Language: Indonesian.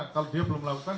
kalau dia belum melakukan